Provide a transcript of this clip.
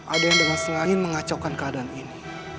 ada yang dengan selain mengacaukan keadaan ini